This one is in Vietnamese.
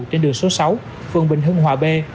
trên đường số sáu phường bình hưng hòa b